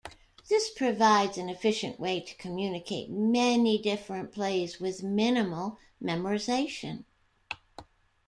This provides an efficient way to communicate many different plays with minimal memorization.